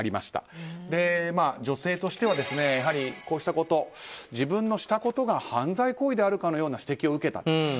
女性としてはやはりこうしたこと自分がしたことが犯罪行為であるかのような指摘を受けた。